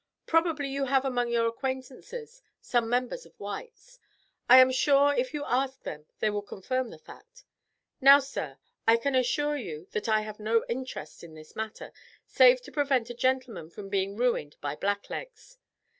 "Probably you have among your acquaintances some members of White's. I am sure if you ask them they will confirm the fact. Now, sir, I can assure you that I have no interest in this matter, save to prevent a gentleman from being ruined by blacklegs.